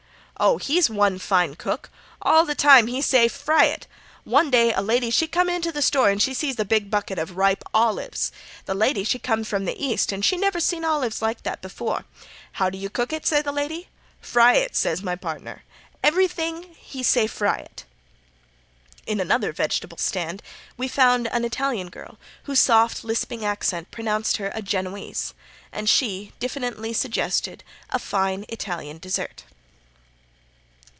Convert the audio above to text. "Oh, he's one fine cook. All the time he say 'fry it.' One day a lady she come into da store an' she see da big bucket of ripe olives. Da lady she from the East and she never see olives like dat before. 'How you cook it?' say da lady. 'Fry it,' say my partner. Everything he say fry it." In another vegetable stand we found an Italian girl, whose soft lisping accent pronounced her a Genoese, and she, diffidently suggested "a fine Italian dessert."